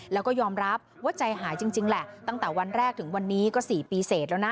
แล้วก็ยอมรับว่าใจหายจริงแหละตั้งแต่วันแรกถึงวันนี้ก็๔ปีเสร็จแล้วนะ